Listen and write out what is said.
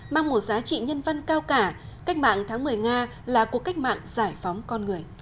mang một giá trị nhân văn cao cả cách mạng tháng một mươi nga là cuộc cách mạng giải phóng con người